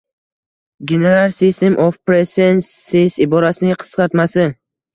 «General System of Preferences» iborasining qisqartmasi.